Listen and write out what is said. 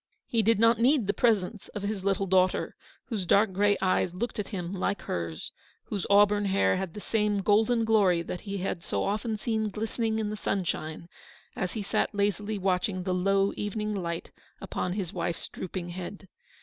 He did not need the presence of his little daughter, whose dark grey eyes looked at him like hers, whose auburn hair had the same golden glory that he had so often seen glistening in the sunshine as he sat lazily watching the low evening light upon his wife's drooping head.